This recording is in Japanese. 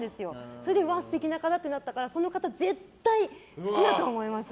それで素敵な方！ってなったのでその方、絶対好きだと思います。